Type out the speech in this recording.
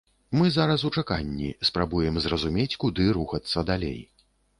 Мы зараз у чаканні, спрабуем зразумець, куды рухацца далей.